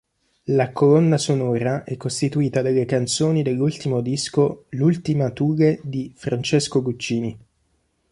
La colonna sonora è costituita dalle canzoni dell'ultimo disco L'ultima Thule di Francesco Guccini.